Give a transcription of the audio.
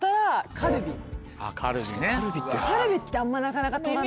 カルビってなかなか取らない。